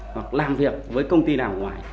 hoặc làm việc với công ty nào ngoài